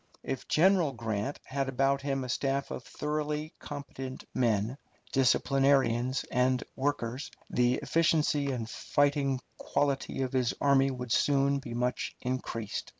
If General Grant had about him a staff of thoroughly competent men, disciplinarians and workers, the efficiency and fighting quality of his army would soon be much increased.